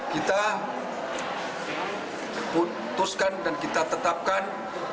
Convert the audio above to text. kita putuskan dan kita tetapkan